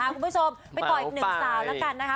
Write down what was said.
คุณผู้ชมไปต่ออีกหนึ่งสาวแล้วกันนะคะ